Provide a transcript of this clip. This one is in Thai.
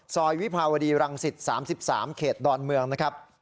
ซอยวิพาวดีรังศิษย์๓๓เขตดอนเมืองนะครับ